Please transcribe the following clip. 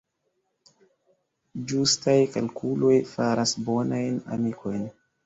Ĝustaj kalkuloj faras bonajn amikojn.